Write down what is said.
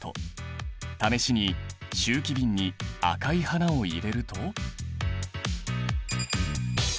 試しに集気瓶に赤い花を入れると。